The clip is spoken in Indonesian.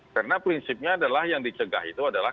karena prinsipnya adalah yang dicegah itu adalah